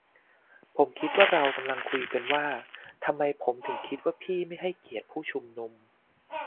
ผมคิดว่าเรากำลังคุยกันว่าทำไมผมถึงคิดว่าพี่ไม่ให้เกียรติผู้ชุมนุม